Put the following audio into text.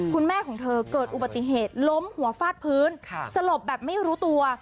คุณแม่ของเธอเกิดอุบัติเหตุล้มหัวฟาดพื้นสลบแบบไม่รู้ตัว